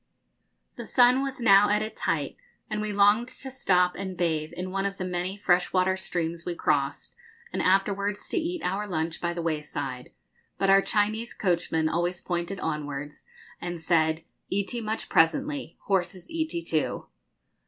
The sun was now at its height, and we longed to stop and bathe in one of the many fresh water streams we crossed, and afterwards to eat our lunch by the wayside; but our Chinese coachman always pointed onwards, and said, 'Eatee much presently; horses eatee too.'